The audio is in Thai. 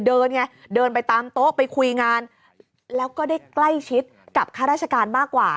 เดินไงเดินไปตามโต๊ะไปคุยงานแล้วก็ได้ใกล้ชิดกับข้าราชการมากกว่า